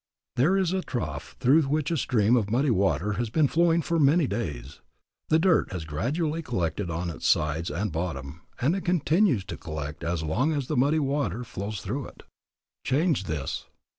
There is a trough through which a stream of muddy water has been flowing for many days. The dirt has gradually collected on its sides and bottom, and it continues to collect as long as the muddy water flows through it. Change this.